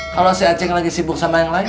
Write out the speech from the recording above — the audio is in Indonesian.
kalau si acing lagi sibuk sama yang lain